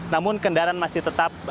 namun kendaraan masih tetap